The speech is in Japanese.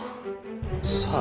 「さあ」